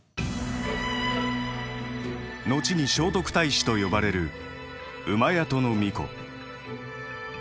後に聖徳太子と呼ばれる戸皇子。